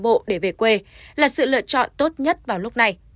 bộ để về quê là sự lựa chọn tốt nhất vào lúc này